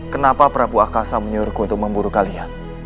kenapa prabu akasa menyuruhku untuk memburu kalian